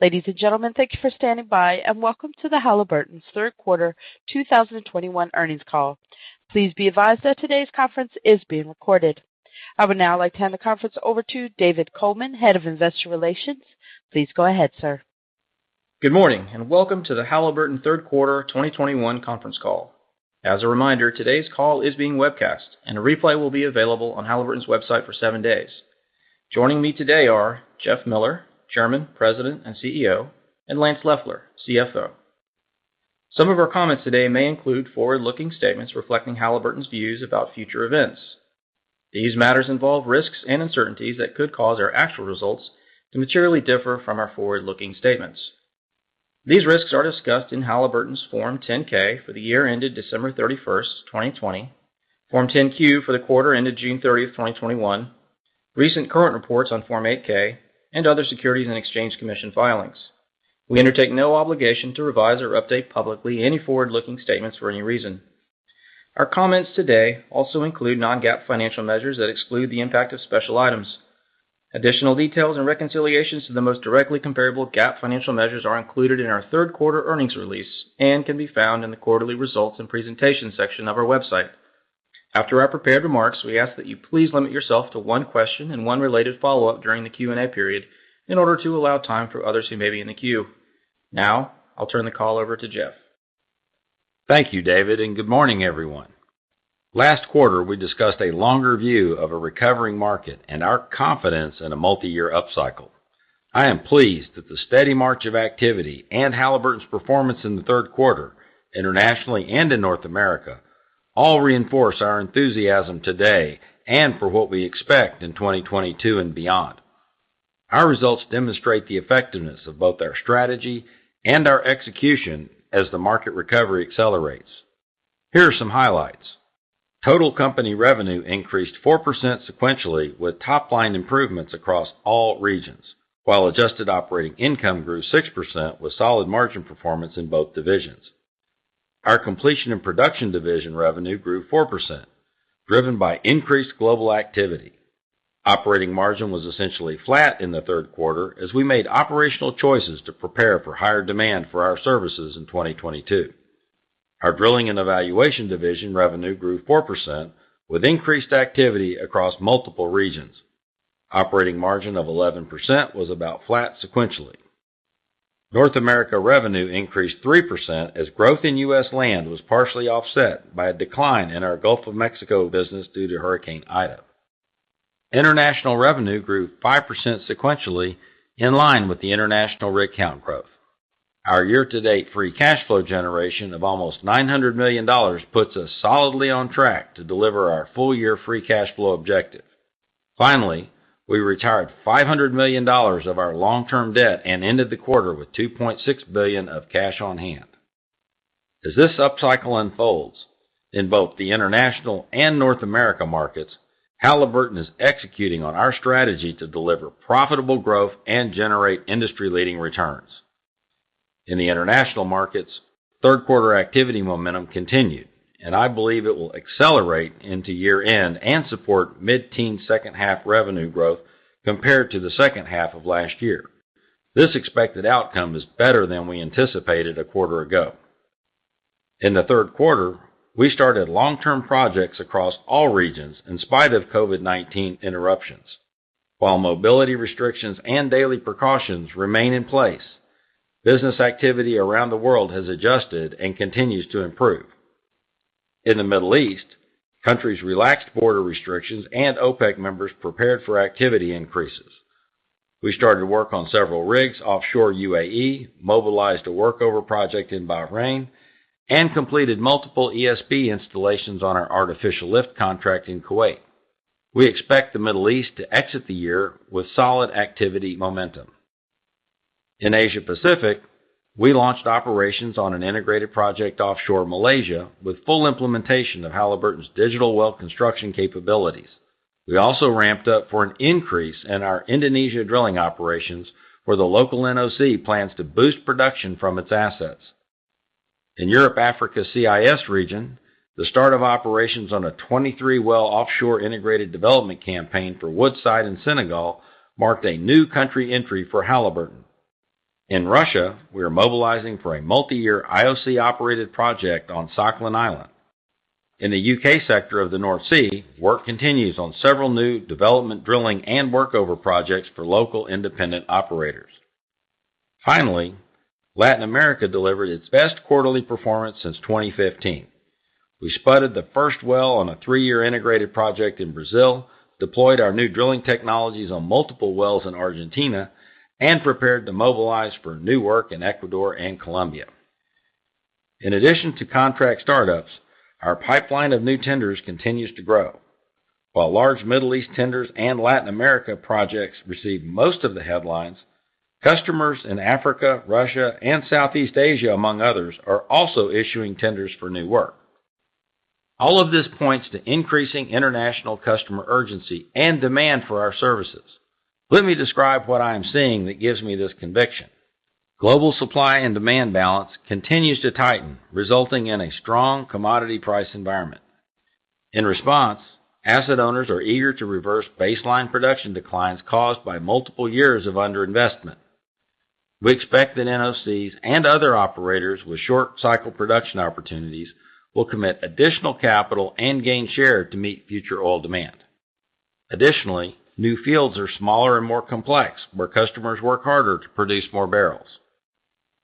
Ladies and gentlemen, thank you for standing by, and welcome to Halliburton's Third Quarter 2021 Earnings Call. Please be advised that today's conference is being recorded. I would now like to hand the conference over to David Coleman, Head of Investor Relations. Please go ahead, sir. Good morning, and welcome to Halliburton's Third Quarter 2021 Earnings Call. As a reminder, today's call is being webcast, and a replay will be available on Halliburton's website for seven days. Joining me today are Jeff Miller, Chairman, President, and CEO, and Lance Loeffler, CFO. Some of our comments today may include forward-looking statements reflecting Halliburton's views about future events. These matters involve risks and uncertainties that could cause our actual results to materially differ from our forward-looking statements. These risks are discussed in Halliburton's Form 10-K for the year ended December 31st, 2020, Form 10-Q for the quarter ended June 30th, 2021, recent current reports on Form 8-K, and other Securities and Exchange Commission filings. We undertake no obligation to revise or update publicly any forward-looking statements for any reason. Our comments today also include non-GAAP financial measures that exclude the impact of special items. Additional details and reconciliations to the most directly comparable GAAP financial measures are included in our third quarter earnings release and can be found in the quarterly results and presentation section of our website. After our prepared remarks, we ask that you please limit yourself to one question and one related follow-up during the Q&A period in order to allow time for others who may be in the queue. I'll turn the call over to Jeff. Thank you, David. Good morning, everyone. Last quarter, we discussed a longer view of a recovering market and our confidence in a multi-year upcycle. I am pleased that the steady march of activity and Halliburton's performance in the third quarter, internationally and in North America, all reinforce our enthusiasm today and for what we expect in 2022 and beyond. Our results demonstrate the effectiveness of both our strategy and our execution as the market recovery accelerates. Here are some highlights. Total company revenue increased 4% sequentially, with top-line improvements across all regions, while adjusted operating income grew 6% with solid margin performance in both divisions. Our Completion and Production division revenue grew 4%, driven by increased global activity. Operating margin was essentially flat in the third quarter as we made operational choices to prepare for higher demand for our services in 2022. Our Drilling and Evaluation division revenue grew 4% with increased activity across multiple regions. Operating margin of 11% was about flat sequentially. North America revenue increased 3% as growth in U.S. land was partially offset by a decline in our Gulf of Mexico business due to Hurricane Ida. International revenue grew 5% sequentially in line with the international rig count growth. Our year-to-date free cash flow generation of almost $900 million puts us solidly on track to deliver our full-year free cash flow objective. Finally, we retired $500 million of our long-term debt and ended the quarter with $2.6 billion of cash on hand. As this upcycle unfolds in both the international and North American markets, Halliburton is executing on our strategy to deliver profitable growth and generate industry-leading returns. In the international markets, third quarter activity momentum continued, and I believe it will accelerate into year-end and support mid-teen second half revenue growth compared to the second half of last year. This expected outcome is better than we anticipated a quarter ago. In the third quarter, we started long-term projects across all regions in spite of COVID-19 interruptions. While mobility restrictions and daily precautions remain in place, business activity around the world has adjusted and continues to improve. In the Middle East, countries relaxed border restrictions, and OPEC members prepared for activity increases. We started work on several rigs offshore in the UAE, mobilized a workover project in Bahrain, and completed multiple ESP installations on our artificial lift contract in Kuwait. We expect the Middle East to exit the year with solid activity momentum. In Asia Pacific, we launched operations on an integrated project offshore Malaysia with full implementation of Halliburton's digital well construction capabilities. We also ramped up for an increase in our Indonesia drilling operations, where the local NOC plans to boost production from its assets. In Europe, Africa, and the CIS region, the start of operations on a 23-well offshore integrated development campaign for Woodside and Senegal marked a new country entry for Halliburton. In Russia, we are mobilizing for a multi-year IOC-operated project on Sakhalin Island. In the U.K. sector of the North Sea, work continues on several new development, drilling, and workover projects for local independent operators. Finally, Latin America delivered its best quarterly performance since 2015. We spudded the first well on a three-year integrated project in Brazil, deployed our new drilling technologies on multiple wells in Argentina, and prepared to mobilize for new work in Ecuador and Colombia. In addition to contract startups, our pipeline of new tenders continues to grow. While large Middle East tenders and Latin America projects receive most of the headlines, customers in Africa, Russia, and Southeast Asia, among others, are also issuing tenders for new work. All of this points to increasing international customer urgency and demand for our services. Let me describe what I am seeing that gives me this conviction. Global supply and demand balance continues to tighten, resulting in a strong commodity price environment. In response, asset owners are eager to reverse baseline production declines caused by multiple years of under-investment. We expect that NOCs and other operators with short-cycle production opportunities will commit additional capital and gain share to meet future oil demand. Additionally, new fields are smaller and more complex, where customers work harder to produce more barrels.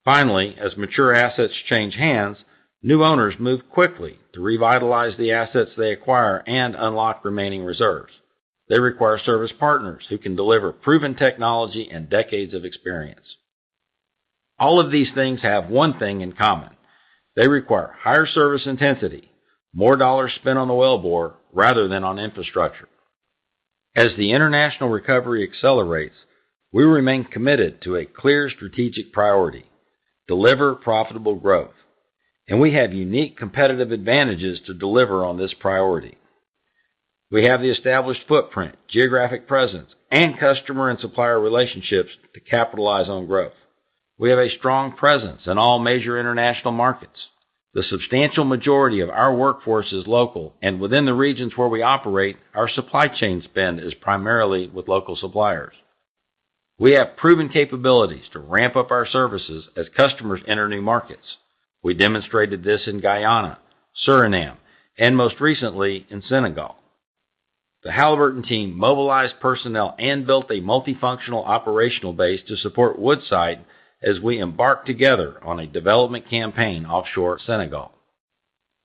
Finally, as mature assets change hands, new owners move quickly to revitalize the assets they acquire and unlock remaining reserves. They require service partners who can deliver proven technology and decades of experience. All of these things have one thing in common. They require higher service intensity and more dollars spent on the wellbore rather than on infrastructure. As the international recovery accelerates, we remain committed to a clear strategic priority: deliver profitable growth. We have unique competitive advantages to deliver on this priority. We have the established footprint, geographic presence, and customer and supplier relationships to capitalize on growth. We have a strong presence in all major international markets. The substantial majority of our workforce is local. Within the regions where we operate, our supply chain spend is primarily with local suppliers. We have proven capabilities to ramp up our services as customers enter new markets. We demonstrated this in Guyana, Suriname, and most recently in Senegal. The Halliburton team mobilized personnel and built a multifunctional operational base to support Woodside as we embark together on a development campaign offshore Senegal.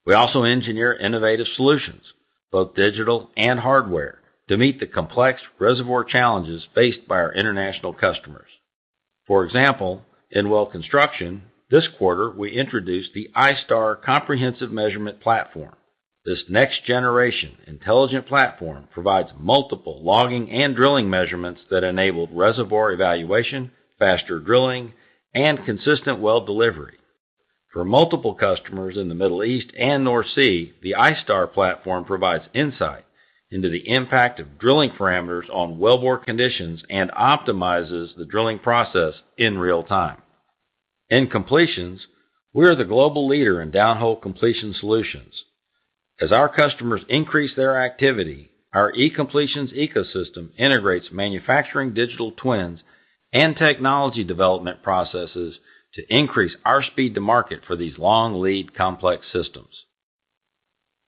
We also engineer innovative solutions, both digital and hardware, to meet the complex reservoir challenges faced by our international customers. For example, in well construction, this quarter, we introduced the iStar comprehensive measurement platform. This next-generation intelligent platform provides multiple logging and drilling measurements that enable reservoir evaluation, faster drilling, and consistent well delivery. For multiple customers in the Middle East and North Sea, the iStar platform provides insight into the impact of drilling parameters on wellbore conditions and optimizes the drilling process in real time. In completions, we are the global leader in downhole completion solutions. As our customers increase their activity, our eCompletions ecosystem integrates manufacturing digital twins and technology development processes to increase our speed to market for these long-lead complex systems.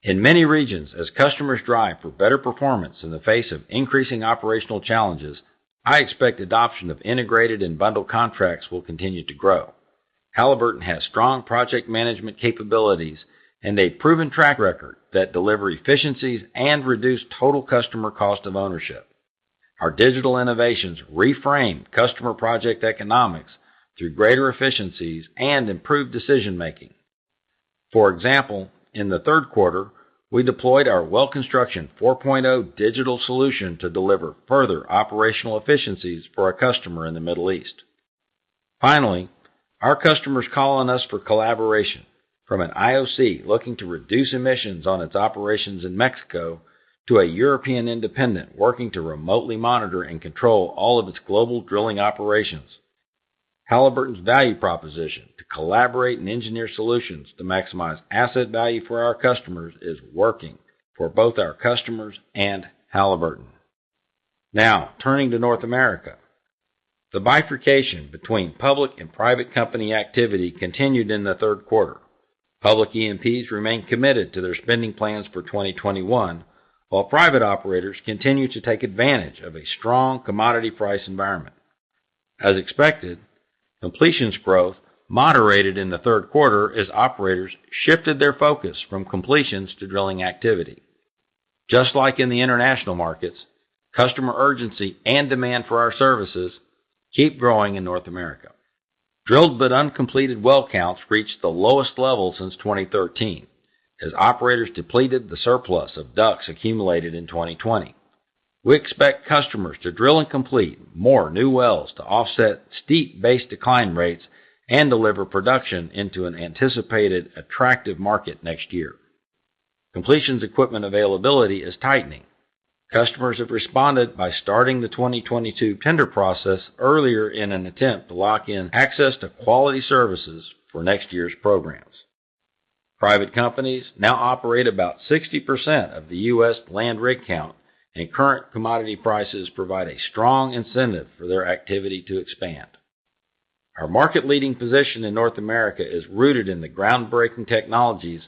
In many regions, as customers drive for better performance in the face of increasing operational challenges, I expect adoption of integrated and bundled contracts will continue to grow. Halliburton has strong project management capabilities and a proven track record that deliver efficiencies and reduce total customer cost of ownership. Our digital innovations reframe customer project economics through greater efficiencies and improved decision-making. For example, in the third quarter, we deployed our Well Construction 4.0 digital solution to deliver further operational efficiencies for a customer in the Middle East. Finally, our customers call on us for collaboration from an IOC looking to reduce emissions on its operations in Mexico to a European independent working to remotely monitor and control all of its global drilling operations. Halliburton's value proposition to collaborate and engineer solutions to maximize asset value for our customers is working for both our customers and Halliburton. Now, turning to North America. The bifurcation between public and private company activity continued in the third quarter. Public E&Ps remain committed to their spending plans for 2021, while private operators continue to take advantage of a strong commodity price environment. As expected, completions growth moderated in the third quarter as operators shifted their focus from completions to drilling activity. Just like in the international markets, customer urgency and demand for our services keep growing in North America. Drilled but uncompleted well counts reached the lowest level since 2013 as operators depleted the surplus of DUCs accumulated in 2020. We expect customers to drill and complete more new wells to offset steep base decline rates and deliver production into an anticipated attractive market next year. Completion equipment availability is tightening. Customers have responded by starting the 2022 tender process earlier in an attempt to lock in access to quality services for next year's programs. Private companies now operate about 60% of the U.S. land rig count, and current commodity prices provide a strong incentive for their activity to expand. Our market-leading position in North America is rooted in the groundbreaking technologies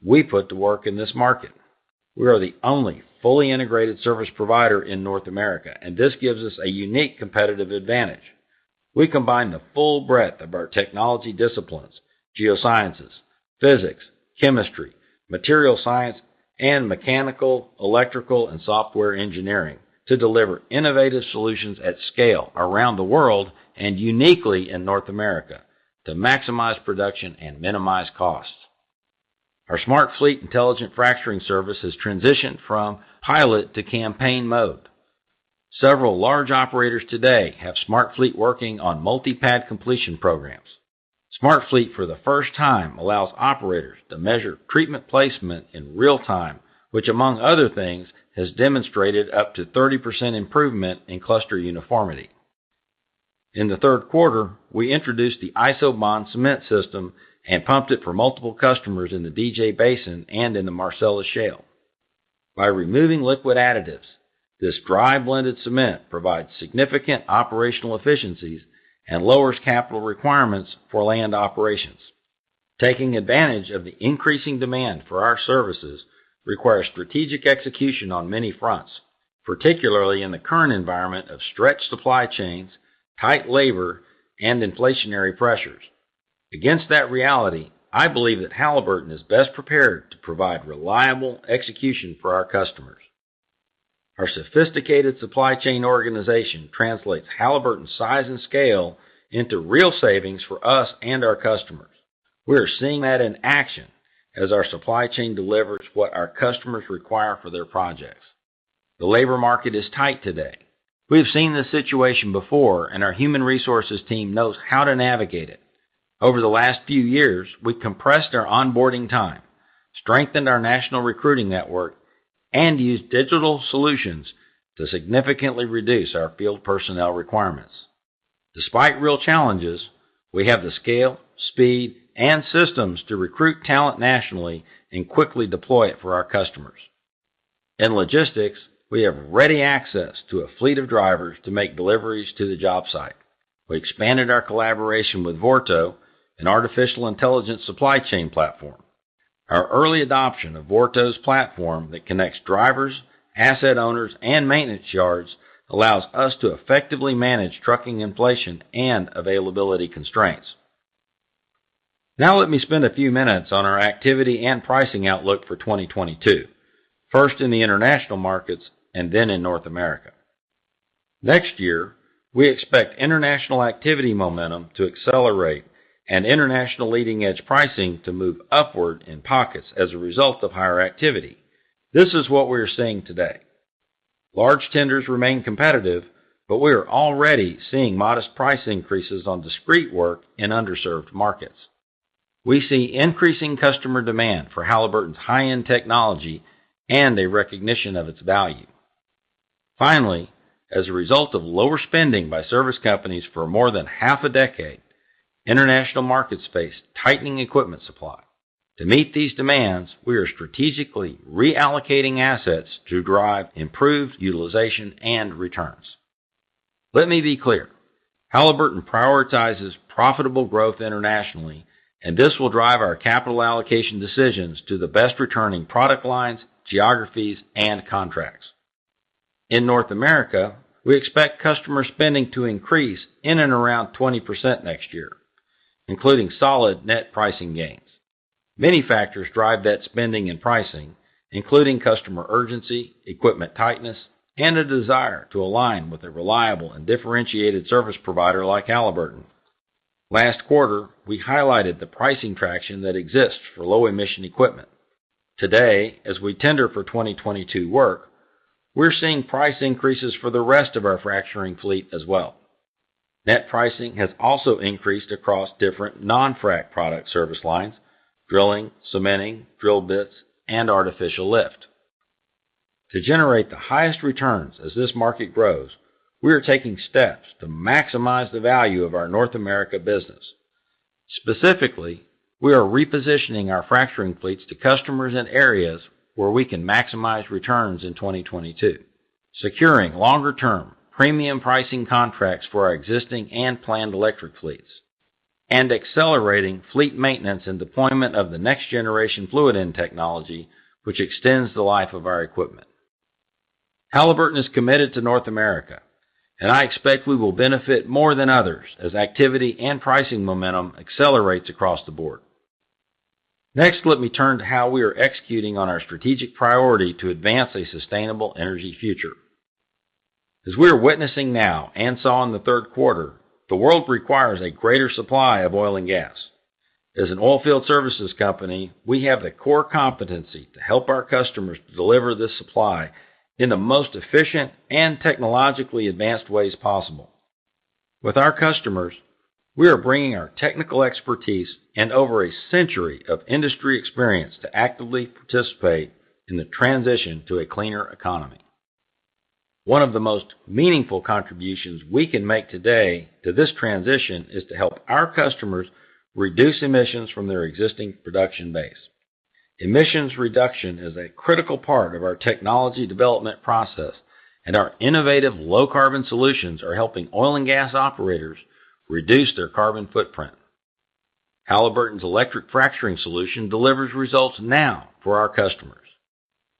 we put to work in this market. We are the only fully integrated service provider in North America, and this gives us a unique competitive advantage. We combine the full breadth of our technology disciplines, geosciences, physics, chemistry, material science, and mechanical, electrical, and software engineering to deliver innovative solutions at scale around the world and uniquely in North America to maximize production and minimize costs. Our SmartFleet intelligent fracturing service has transitioned from pilot to campaign mode. Several large operators today have SmartFleet working on multi-pad completion programs. SmartFleet, for the first time, allows operators to measure treatment placement in real time, which, among other things, has demonstrated up to 30% improvement in cluster uniformity. In the third quarter, we introduced the IsoBond cement system and pumped it for multiple customers in the DJ Basin and in the Marcellus Shale. By removing liquid additives, this dry-blended cement provides significant operational efficiencies and lowers capital requirements for land operations. Taking advantage of the increasing demand for our services requires strategic execution on many fronts, particularly in the current environment of stretched supply chains, tight labor, and inflationary pressures. Against that reality, I believe that Halliburton is best prepared to provide reliable execution for our customers. Our sophisticated supply chain organization translates Halliburton's size and scale into real savings for us and our customers. We are seeing that in action as our supply chain delivers what our customers require for their projects. The labor market is tight today. We have seen this situation before, and our human resources team knows how to navigate it. Over the last few years, we've compressed our onboarding time, strengthened our national recruiting network, and used digital solutions to significantly reduce our field personnel requirements. Despite real challenges, we have the scale, speed, and systems to recruit talent nationally and quickly deploy it for our customers. In logistics, we have ready access to a fleet of drivers to make deliveries to the job site. We expanded our collaboration with Vorto, an artificial intelligence supply chain platform. Our early adoption of Vorto's platform that connects drivers, asset owners, and maintenance yards allows us to effectively manage trucking inflation and availability constraints. Now let me spend a few minutes on our activity and pricing outlook for 2022. First in the international markets and then in North America. Next year, we expect international activity momentum to accelerate and international leading-edge pricing to move upward in pockets as a result of higher activity. This is what we are seeing today. Large tenders remain competitive, but we are already seeing modest price increases on discrete work in underserved markets. We see increasing customer demand for Halliburton's high-end technology and a recognition of its value. As a result of lower spending by service companies for more than half a decade, international markets face tightening equipment supply. To meet these demands, we are strategically reallocating assets to drive improved utilization and returns. Let me be clear. Halliburton prioritizes profitable growth internationally, and this will drive our capital allocation decisions to the best-returning product lines, geographies, and contracts. In North America, we expect customer spending to increase in and around 20% next year, including solid net pricing gains. Many factors drive that spending and pricing, including customer urgency, equipment tightness, and a desire to align with a reliable and differentiated service provider like Halliburton. Last quarter, we highlighted the pricing traction that exists for low-emission equipment. Today, as we tender for 2022 work, we're seeing price increases for the rest of our fracturing fleet as well. Net pricing has also increased across different non-frac product service lines, drilling, cementing, drill bits, and artificial lift. To generate the highest returns as this market grows, we are taking steps to maximize the value of our North America business. Specifically, we are repositioning our fracturing fleets to customers in areas where we can maximize returns in 2022. Securing longer-term premium pricing contracts for our existing and planned electric fleets and accelerating fleet maintenance and deployment of the next-generation Fluid End technology, which extends the life of our equipment. Halliburton is committed to North America, and I expect we will benefit more than others as activity and pricing momentum accelerates across the board. Next, let me turn to how we are executing on our strategic priority to advance a sustainable energy future. As we are witnessing now and saw in the third quarter, the world requires a greater supply of oil and gas. As an oilfield services company, we have the core competency to help our customers deliver this supply in the most efficient and technologically advanced ways possible. With our customers, we are bringing our technical expertise and over a century of industry experience to actively participate in the transition to a cleaner economy. One of the most meaningful contributions we can make today to this transition is to help our customers reduce emissions from their existing production base. Emissions reduction is a critical part of our technology development process, and our innovative low-carbon solutions are helping oil and gas operators reduce their carbon footprint. Halliburton's electric fracturing solution delivers results now for our customers.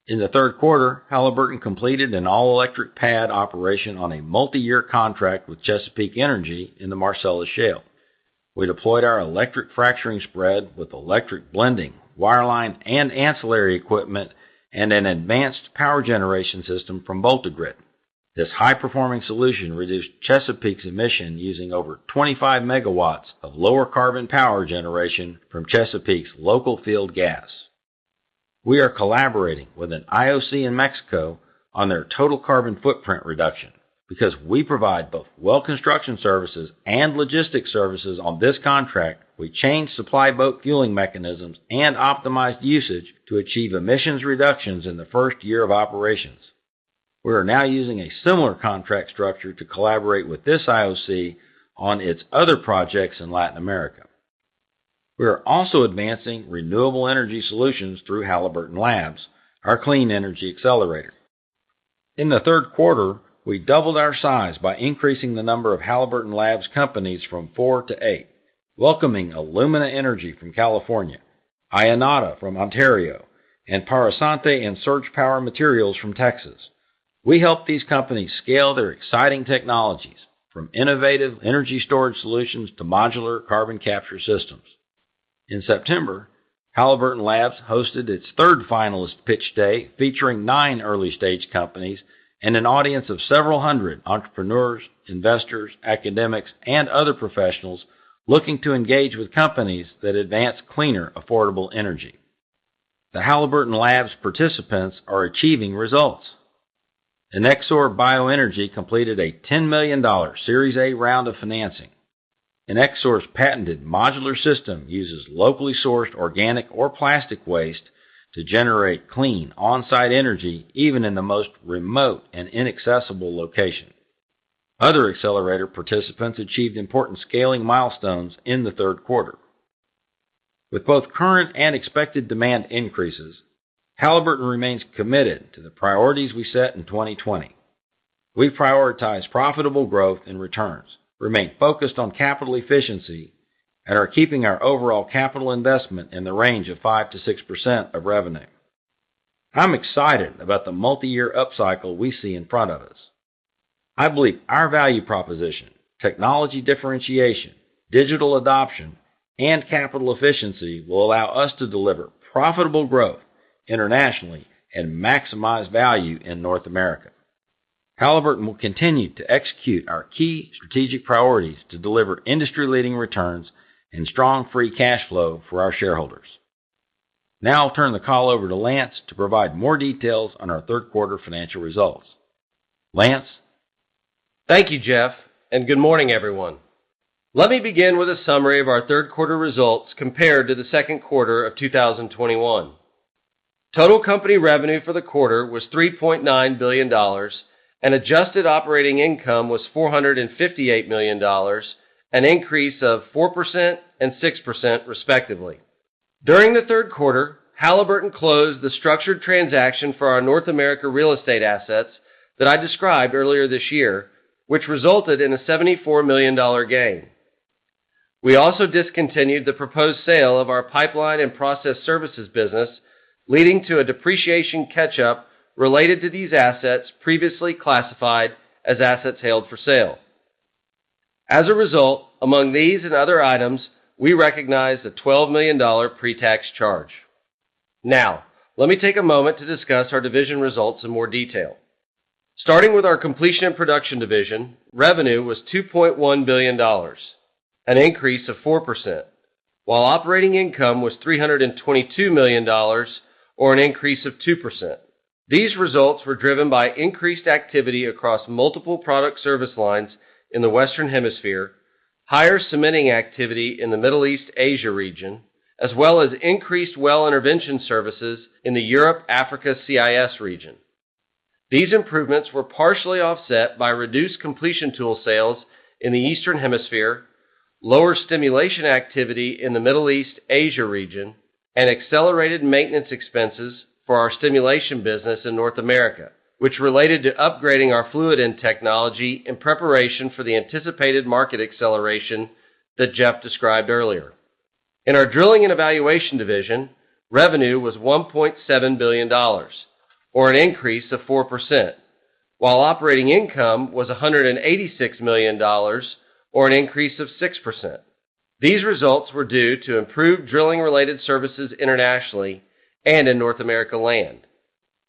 In the third quarter, Halliburton completed an all-electric pad operation on a multiyear contract with Chesapeake Energy in the Marcellus Shale. We deployed our electric fracturing spread with electric blending, wireline, and ancillary equipment and an advanced power generation system from VoltaGrid. This high-performing solution reduced Chesapeake's emissions using over 25MW of lower-carbon power generation from Chesapeake's local field gas. We are collaborating with an IOC in Mexico on their total carbon footprint reduction. Because we provide both well construction services and logistics services on this contract, we changed supply boat fueling mechanisms and optimized usage to achieve emissions reductions in the first year of operations. We are now using a similar contract structure to collaborate with this IOC on its other projects in Latin America. We are also advancing renewable energy solutions through Halliburton Labs, our clean energy accelerator. In the third quarter, we doubled our size by increasing the number of Halliburton Labs companies from four to eight, welcoming Alumina Energy from California, Ionada from Ontario, and Parasanti and SurgePower Materials from Texas. We help these companies scale their exciting technologies from innovative energy storage solutions to modular carbon capture systems. In September, Halliburton Labs hosted its third finalist pitch day featuring nine early-stage companies and an audience of several hundred entrepreneurs, investors, academics, and other professionals looking to engage with companies that advance cleaner, affordable energy. The Halliburton Labs participants are achieving results. Enexor Bioenergy completed a $10 million Series A round of financing. Enexor's patented modular system uses locally sourced organic or plastic waste to generate clean onsite energy, even in the most remote and inaccessible locations. Other accelerator participants achieved important scaling milestones in the third quarter. With both current and expected demand increases, Halliburton remains committed to the priorities we set in 2020. We prioritize profitable growth and returns, remain focused on capital efficiency, and are keeping our overall capital investment in the range of 5%-6% of revenue. I'm excited about the multi-year upcycle we see in front of us. I believe our value proposition, technology differentiation, digital adoption, and capital efficiency will allow us to deliver profitable growth internationally and maximize value in North America. Halliburton will continue to execute our key strategic priorities to deliver industry-leading returns and strong free cash flow for our shareholders. I'll turn the call over to Lance to provide more details on our third-quarter financial results. Lance? Thank you, Jeff. Good morning, everyone. Let me begin with a summary of our third-quarter results compared to the second quarter of 2021. Total company revenue for the quarter was $3.9 billion, and adjusted operating income was $458 million, an increase of 4% and 6%, respectively. During the third quarter, Halliburton closed the structured transaction for our North America real estate assets that I described earlier this year, which resulted in a $74 million gain. We also discontinued the proposed sale of our pipeline and process services business, leading to a depreciation catch-up related to these assets previously classified as assets held for sale. As a result, among these and other items, we recognized a $12 million pre-tax charge. Let me take a moment to discuss our division results in more detail. Starting with our Completion and Production division, revenue was $2.1 billion, an increase of 4%, while operating income was $322 million, or an increase of 2%. These results were driven by increased activity across multiple product service lines in the Western Hemisphere, higher cementing activity in the Middle East/Asia region, and increased well intervention services in the Europe/Africa CIS region. These improvements were partially offset by reduced completion tool sales in the Eastern Hemisphere, lower stimulation activity in the Middle East/Asia region, and accelerated maintenance expenses for our stimulation business in North America, which related to upgrading our Fluid End technology in preparation for the anticipated market acceleration that Jeff described earlier. In our Drilling and Evaluation division, revenue was $1.7 billion, or an increase of 4%, while operating income was $186 million, or an increase of 6%. These results were due to improved drilling-related services internationally and in North America,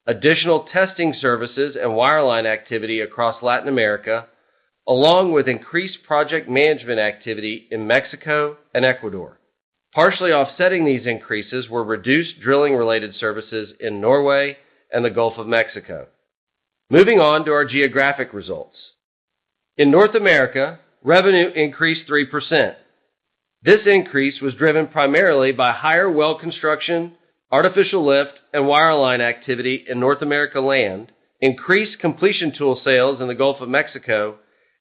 additional testing services and wireline activity across Latin America, along with increased project management activity in Mexico and Ecuador. Partially offsetting these increases were reduced drilling-related services in Norway and the Gulf of Mexico. Moving on to our geographic results. In North America, revenue increased 3%. This increase was driven primarily by higher well construction, artificial lift, and wireline activity in North America Land, increased completion tool sales in the Gulf of Mexico,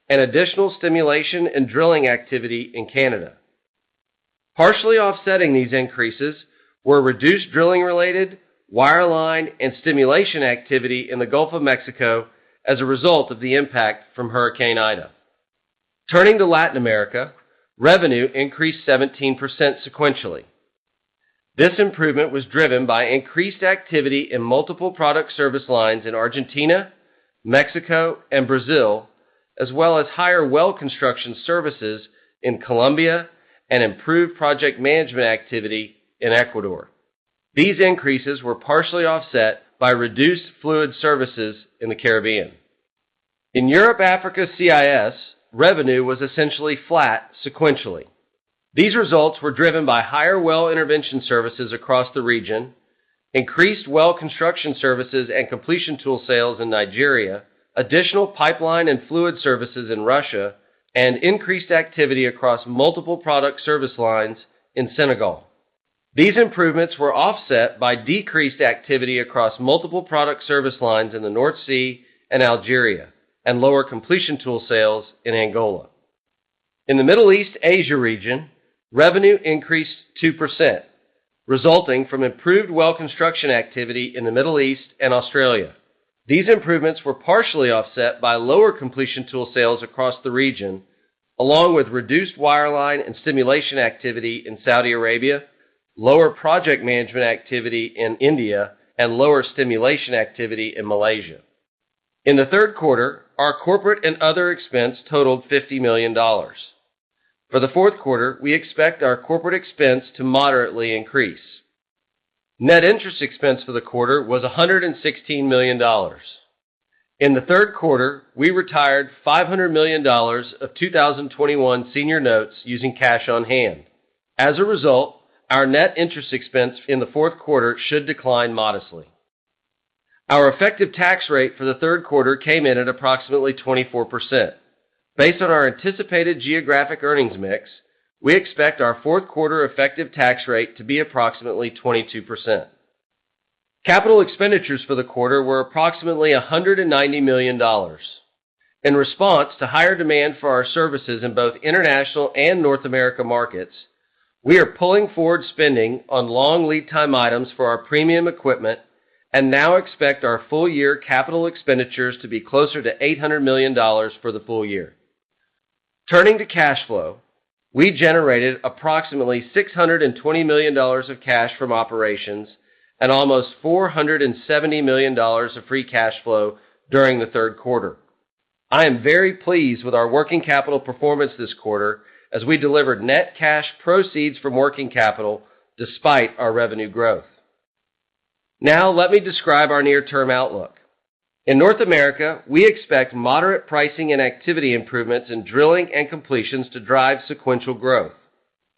and additional stimulation and drilling activity in Canada. Partially offsetting these increases were reduced drilling-related, wireline, and stimulation activity in the Gulf of Mexico as a result of the impact from Hurricane Ida. Turning to Latin America, revenue increased 17% sequentially. This improvement was driven by increased activity in multiple product service lines in Argentina, Mexico, and Brazil, as well as higher well construction services in Colombia and improved project management activity in Ecuador. These increases were partially offset by reduced fluid services in the Caribbean. In Europe/Africa CIS, revenue was essentially flat sequentially. These results were driven by higher well intervention services across the region, increased well construction services and completion tool sales in Nigeria, additional pipeline and fluid services in Russia, and increased activity across multiple product service lines in Senegal. These improvements were offset by decreased activity across multiple product service lines in the North Sea and Algeria and lower completion tool sales in Angola. In the Middle East/Asia region, revenue increased 2%, resulting from improved well construction activity in the Middle East and Australia. These improvements were partially offset by lower completion tool sales across the region, along with reduced wireline and stimulation activity in Saudi Arabia, lower project management activity in India, and lower stimulation activity in Malaysia. In the third quarter, our corporate and other expenses totaled $50 million. For the fourth quarter, we expect our corporate expense to moderately increase. Net interest expense for the quarter was $116 million. In the third quarter, we retired $500 million of 2021 senior notes using cash on hand. Our net interest expense in the fourth quarter should decline modestly. Our effective tax rate for the third quarter came in at approximately 24%. Based on our anticipated geographic earnings mix, we expect our fourth quarter effective tax rate to be approximately 22%. Capital expenditures for the quarter were approximately $190 million. In response to higher demand for our services in both international and North American markets, we are pulling forward spending on long lead time items for our premium equipment and now expect our full-year capital expenditures to be closer to $800 million for the full year. Turning to cash flow, we generated approximately $620 million of cash from operations and almost $470 million of free cash flow during the third quarter. I am very pleased with our working capital performance this quarter as we delivered net cash proceeds from working capital despite our revenue growth. Now, let me describe our near-term outlook. In North America, we expect moderate pricing and activity improvements in drilling and completions to drive sequential growth.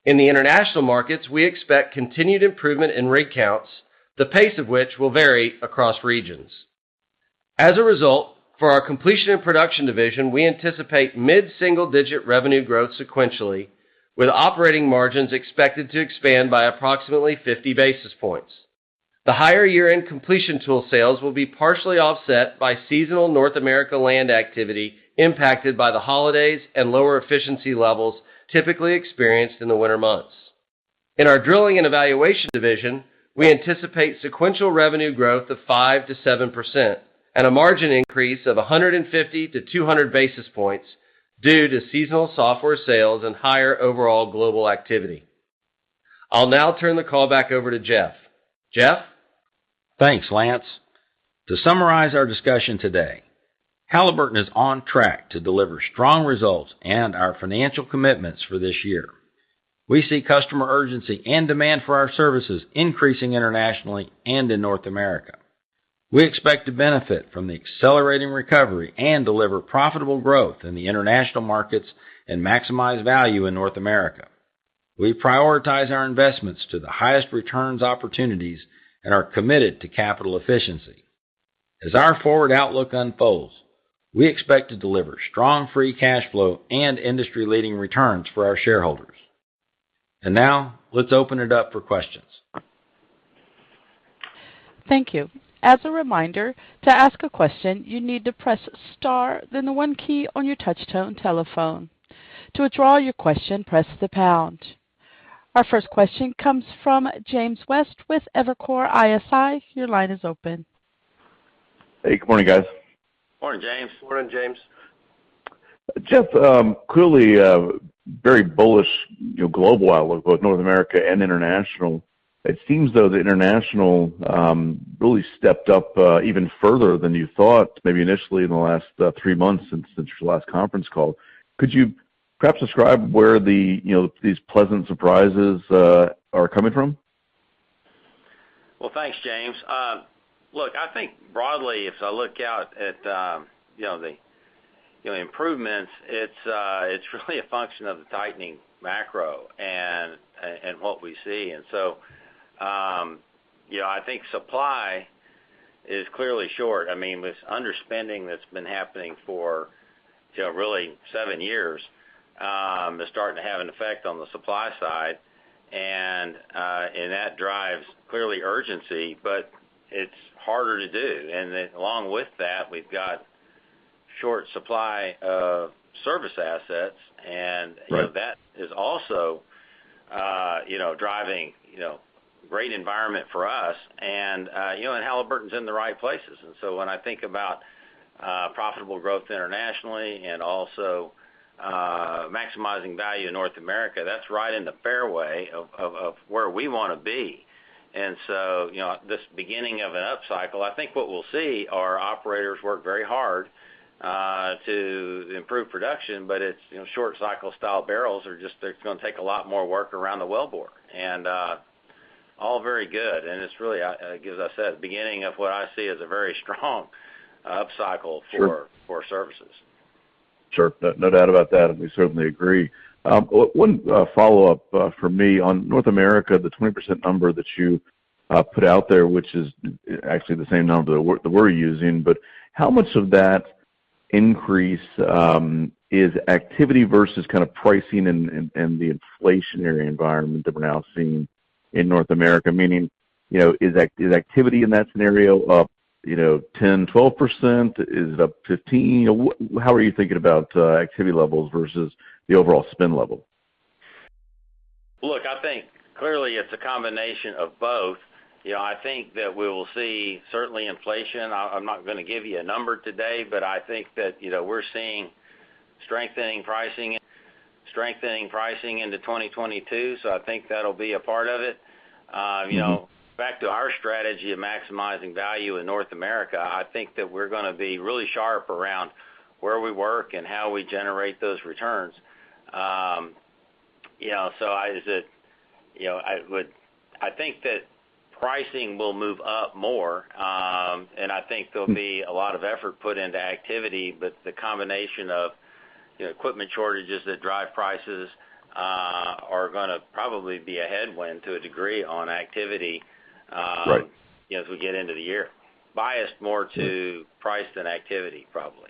In the international markets, we expect continued improvement in rig counts, the pace of which will vary across regions. As a result, for our Completion and Production division, we anticipate mid-single-digit revenue growth sequentially, with operating margins expected to expand by approximately 50 basis points. The higher year-end completion tool sales will be partially offset by seasonal North America land activity impacted by the holidays and lower efficiency levels typically experienced in the winter months. In our Drilling and Evaluation division, we anticipate sequential revenue growth of 5%-7% and a margin increase of 150-200 basis points due to seasonal software sales and higher overall global activity. I'll now turn the call back over to Jeff. Jeff? Thanks, Lance. To summarize our discussion today, Halliburton is on track to deliver strong results and our financial commitments for this year. We see customer urgency and demand for our services increasing internationally and in North America. We expect to benefit from the accelerating recovery and deliver profitable growth in the international markets and maximize value in North America. We prioritize our investments in the highest-return opportunities and are committed to capital efficiency. As our forward outlook unfolds, we expect to deliver strong free cash flow and industry-leading returns for our shareholders. Now, let's open it up for questions. Thank you. As a reminder, to ask a question, you need to press star, then the one key on your touch-tone telephone. To withdraw your question, press the pound. Our first question comes from James West with Evercore ISI. Your line is open. Hey, good morning, guys. Morning, James. Morning, James. Jeff, clearly very bullish on the global outlook, both in North America and internationally. It seems though the international really stepped up even further than you thought, maybe initially in the last three months since your last conference call. Could you perhaps describe where these pleasant surprises are coming from? Well, thanks, James. Look, I think broadly, if I look out at the improvements, it's really a function of the tightening macro and what we see. I think supply is clearly short. This underspending that's been happening for really seven years is starting to have an effect on the supply side, and that drives, clearly, urgency, but it's harder to do. Along with that, we've got a short supply of service assets, and that is also driving a great environment for us. Halliburton's in the right places. When I think about profitable growth internationally and also maximizing value in North America, that's right in the fairway of where we want to be. This beginning of an upcycle, I think what we'll see are operators work very hard to improve production, but short cycle style barrels are just going to take a lot more work around the well bore, and all very good, and it's really, as I said, the beginning of what I see as a very strong upcycle for services. Sure. No doubt about that. We certainly agree. One follow-up from me on North America, the 20% number that you put out there, which is actually the same number that we're using. How much of that increase is activity versus pricing and the inflationary environment that we're now seeing in North America? meaning, is activity in that scenario up 10% or 12%? Is it up 15%? How are you thinking about activity levels versus the overall spend level? Look, I think clearly it's a combination of both. I think that we will certainly see inflation. I'm not going to give you a number today, but I think that we're seeing strengthening pricing into 2022. I think that'll be a part of it. Back to our strategy of maximizing value in North America, I think that we're going to be really sharp around where we work and how we generate those returns. I think that pricing will move up more. I think there'll be a lot of effort put into activity, but the combination of equipment shortages that drive prices is going to probably be a headwind to a degree on activity. Right As we get into the year. Biased more to price than activity, probably.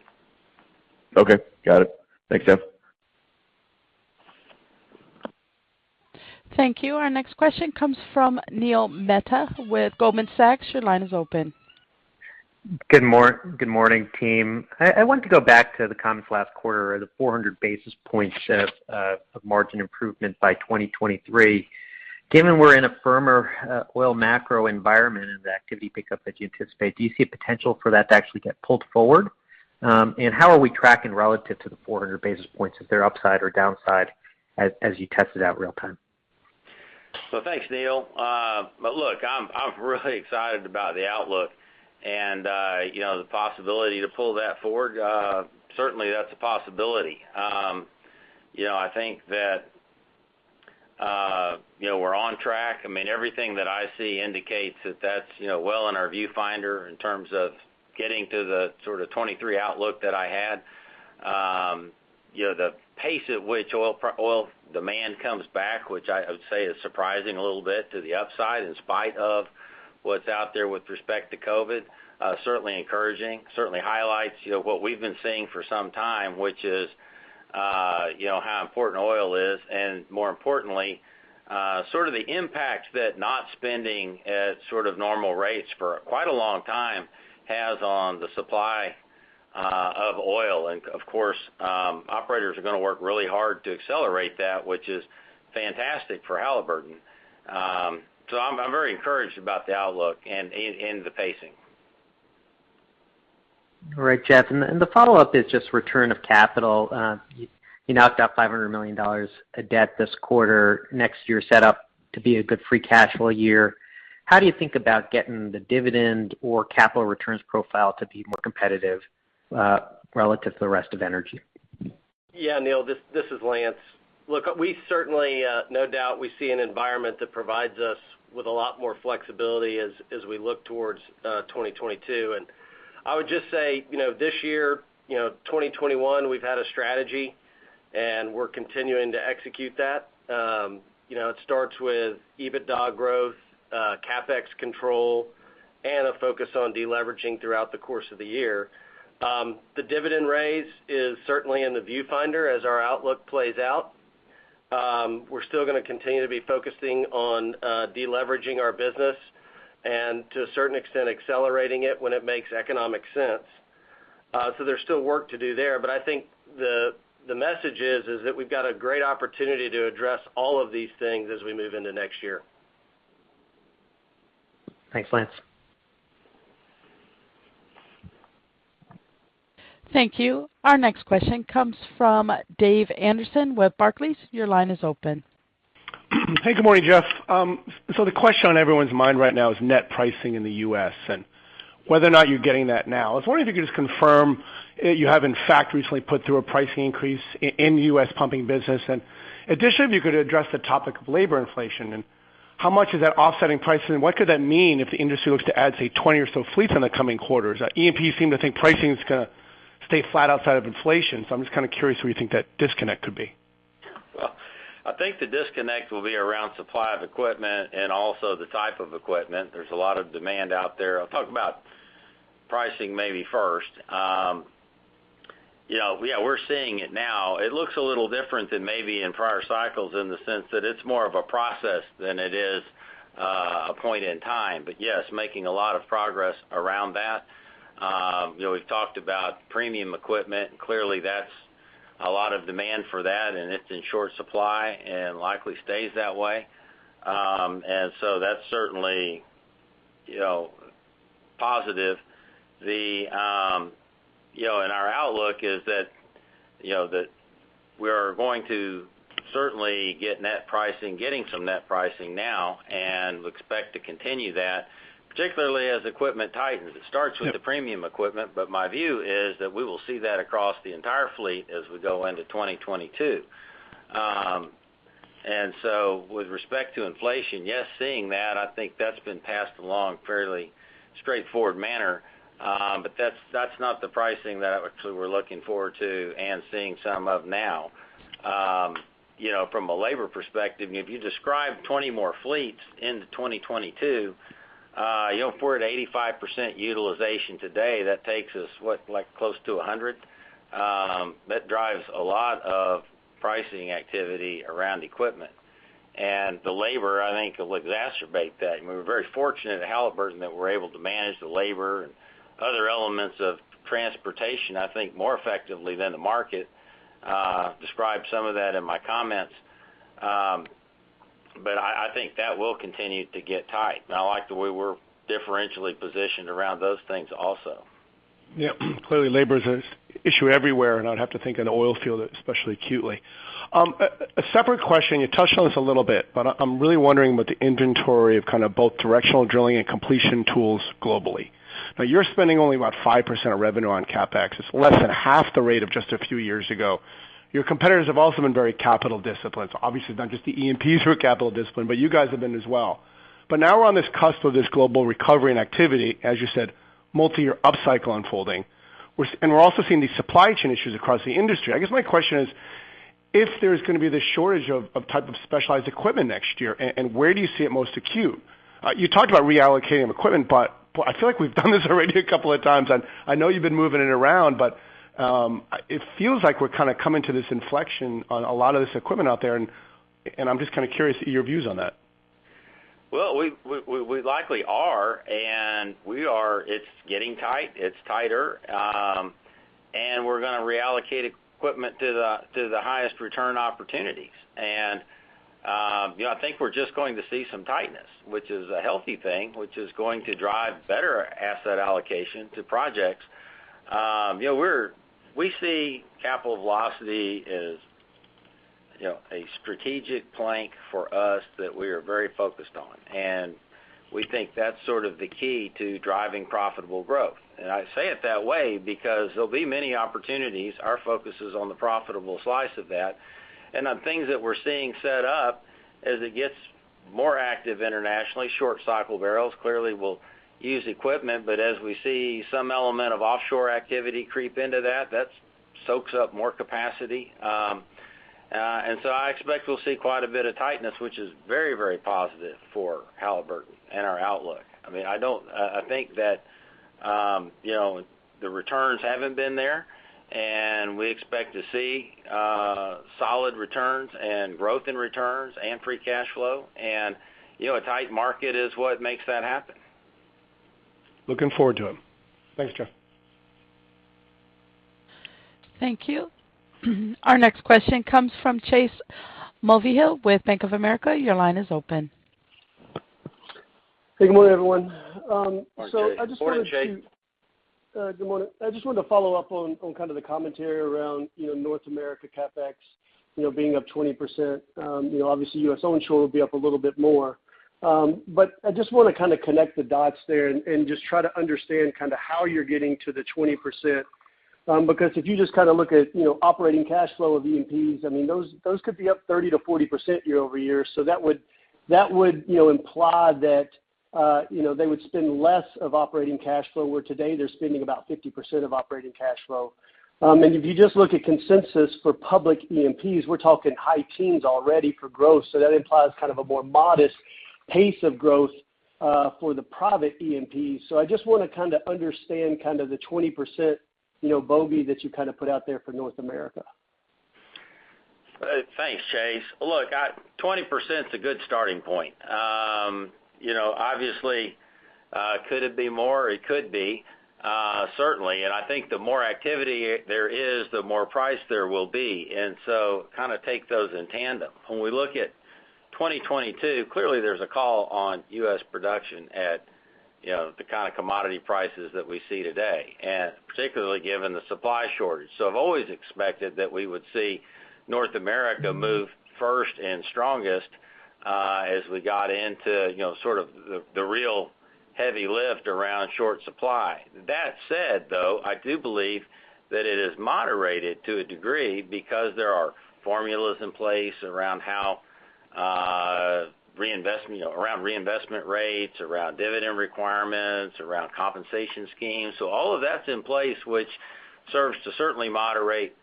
Okay. Got it. Thanks, Jeff. Thank you. Our next question comes from Neil Mehta with Goldman Sachs. Your line is open. Good morning, team. I want to go back to the comments last quarter, the 400 basis points of margin improvement by 2023. Given we're in a firmer oil macro environment and the activity pickup that you anticipate, do you see a potential for that to actually get pulled forward? How are we tracking relative to the 400 basis points if they're upside or downside as you test it out in real time? Thanks, Neil. Look, I'm really excited about the outlook and the possibility to pull that forward. Certainly, that's a possibility. I think that we're on track. Everything that I see indicates that's well in our viewfinder in terms of getting to the sort of 2023 outlook that I had. The pace at which oil demand comes back, which I would say is a little bit surprising to the upside, in spite of what's out there with respect to COVID, is certainly encouraging. Certainly highlights what we've been seeing for some time, which is how important oil is, and more importantly, sort of the impact that not spending at sort of normal rates for quite a long time has on the supply of oil. Of course, operators are going to work really hard to accelerate that, which is fantastic for Halliburton. I'm very encouraged about the outlook and the pacing. Great, Jeff. The follow-up is just a return of capital. You knocked out $500 million of debt this quarter, next year is set up to be a good free cash flow year. How do you think about getting the dividend or capital returns profile to be more competitive relative to the rest of energy? Yeah, Neil, this is Lance. Look, we certainly, no doubt, see an environment that provides us with a lot more flexibility as we look towards 2022. I would just say, this year, 2021, we've had a strategy, and we're continuing to execute that. It starts with EBITDA growth, CapEx control, and a focus on deleveraging throughout the course of the year. The dividend raise is certainly in the viewfinder as our outlook plays out. We're still going to continue to be focusing on de-leveraging our business and, to a certain extent, accelerating it when it makes economic sense. There's still work to do there, but I think the message is that we've got a great opportunity to address all of these things as we move into next year. Thanks, Lance. Thank you. Our next question comes from Dave Anderson with Barclays. Your line is open. Hey, good morning, Jeff. The question on everyone's mind right now is net pricing in the U.S. and whether or not you're getting that now. I was wondering if you could just confirm you have in fact recently put through a pricing increase in the U.S. pumping business. Additionally, if you could address the topic of labor inflation and how much that is offsetting pricing, and what that could mean if the industry looks to add, say, 20 or so fleets in the coming quarters? E&Ps seem to think pricing's going to stay flat outside of inflation. I'm just kind of curious where you think that disconnect could be. Well, I think the disconnect will be around the supply of equipment and also the type of equipment. There's a lot of demand out there. I'll talk about pricing maybe first. Yeah, we're seeing it now. It looks a little different than maybe in prior cycles in the sense that it's more of a process than it is a point in time. Yes, making a lot of progress around that. We've talked about premium equipment. Clearly, that's a lot of demand for that, and it's in short supply and likely stays that way. That's certainly positive. Our outlook is that we are certainly going to get net pricing, getting some net pricing now, and we expect to continue that, particularly as equipment tightens. It starts with the premium equipment, but my view is that we will see that across the entire fleet as we go into 2022. With respect to inflation, yes, seeing that, I think that's been passed along in a fairly straightforward manner. That's not the pricing that actually we're looking forward to and seeing some of now. From a labor perspective, if you describe 20 more fleets into 2022. If we're at 85% utilization today, that takes us what? Close to 100. That drives a lot of pricing activity around equipment. The labor, I think, will exacerbate that. We're very fortunate at Halliburton that we're able to manage the labor and other elements of transportation, I think, more effectively than the market. I described some of that in my comments. I think that will continue to get tight, and I like the way we're differentially positioned around those things also. Yep. Clearly, labor is an issue everywhere, and I'd have to think in the oil field especially acutely. A separate question: you touched on this a little bit, but I'm really wondering about the inventory of both directional drilling and completion tools globally. Now, you're spending only about 5% of revenue on CapEx. It's less than half the rate of just a few years ago. Your competitors have also been very capital disciplined. Obviously, it's not just the E&Ps who are capital disciplined, but you guys have been as well. Now we're on this cusp of this global recovery and activity, as you said, a multi-year upcycle unfolding. We're also seeing these supply chain issues across the industry. I guess my question is, if there's going to be this shortage of this type of specialized equipment next year, where do you see it most acute? You talked about reallocating equipment, but I feel like we've done this already a couple of times, and I know you've been moving it around, but it feels like we're kind of coming to this inflection on a lot of this equipment out there, and I'm just kind of curious about your views on that. Well, we likely are. It's getting tight. It's tighter. We're going to reallocate equipment to the highest return opportunities. I think we're just going to see some tightness, which is a healthy thing, which is going to drive better asset allocation to projects. We see capital velocity as a strategic plank for us that we are very focused on, and we think that's sort of the key to driving profitable growth. I say it that way because there'll be many opportunities. Our focus is on the profitable slice of that. On things that we're seeing set up as it gets more active internationally, short cycle barrels clearly will use equipment, but as we see some element of offshore activity creep in, it soaks up more capacity. I expect we'll see quite a bit of tightness, which is very positive for Halliburton and our outlook. I think that the returns haven't been there, and we expect to see solid returns and growth in returns and free cash flow. A tight market is what makes that happen. Looking forward to it. Thanks, Jeff. Thank you. Our next question comes from Chase Mulvihill with Bank of America. Your line is open. Hey, good morning, everyone. Good morning. I just wanted to follow up on kind of the commentary around North America CapEx being up 20%. Obviously, U.S. onshore will be up a little bit more. I just want to kind of connect the dots there and just try to understand kind of how you're getting to the 20%. If you just kind of look at operating cash flow of E&Ps, those could be up 30%-40% year-over-year. That would imply that they would spend less of operating cash flow, where today they're spending about 50% of operating cash flow. If you just look at consensus for public E&Ps, we're talking high teens already for growth. That implies kind of a more modest pace of growth for the private E&Ps. I just want to kind of understand kind of the 20% bogey that you kind of put out there for North America. Thanks, Chase. Look, 20%'s a good starting point. Obviously, could it be more? It could be. Certainly. I think the more activity there is, the more price there will be. Kind of take those in tandem. When we look at 2022, clearly there's a call on U.S. production at the kind of commodity prices that we see today, particularly given the supply shortage. I've always expected that we would see North America move first and strongest as we got into sort of the real heavy lift around short supply. That said, though, I do believe that it is moderated to a degree because there are formulas in place around reinvestment rates, around dividend requirements, and around compensation schemes. All of that's in place, which serves to certainly moderate